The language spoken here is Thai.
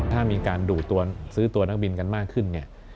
ถ้ามีการดูดซื้อตัวนักบินกันมากขึ้นเนี่ย